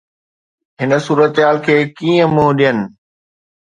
هن صورتحال کي ڪيئن منهن ڏيڻ؟